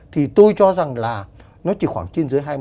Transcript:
thì tôi cho rằng là nó chỉ khoảng trên dưới hai mươi